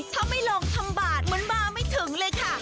ถ้าไม่ลงทำบาทเหมือนมาไม่ถึงเลยค่ะ